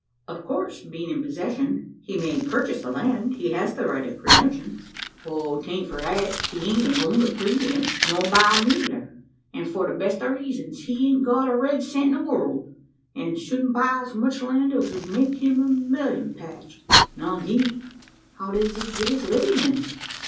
"Of course, being in possession, he may purchase the land? He has the right of pre emption?" "'Taint for that. He ain't a goin' to pre empt, nor buy neyther; an' for the best o' reezuns. He hain't got a red cent in the world, an' souldn't buy as much land as would make him a mellyun patch not he." "How does he get his living, then?"